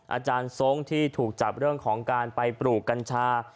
อาจารย์ทรงที่ถูกจับเรื่องของการไปปลูกกัญชา